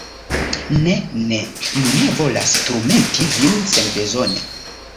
ne, ne, mi ne volas turmenti vin senbezone.